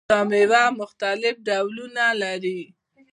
دا میوه مختلف ډولونه لري.